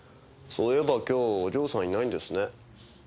そういえば今日お嬢さんいないんですね。